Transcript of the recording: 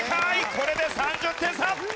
これで３０点差！